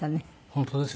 本当ですね。